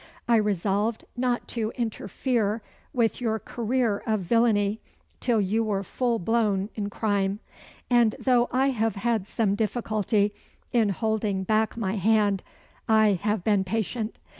I resolved not to interfere with your career of villany till you were full blown in crime; and though I have had some difficulty in holding back my hand, I have been patient.